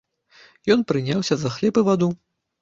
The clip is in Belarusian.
Ён прыняўся за хлеб і ваду.